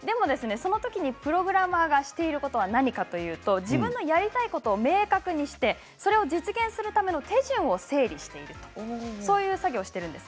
そのときにプログラマーがしていることは何かというと自分がやりたいことを明確にしてそれを実現するための手順を整理しているということなんです。